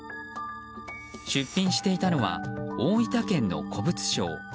出品していたのは大分県の古物商。